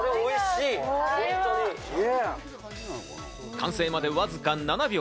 完成までわずか７秒。